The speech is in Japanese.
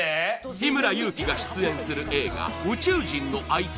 日村勇紀が出演する映画「宇宙人のあいつ」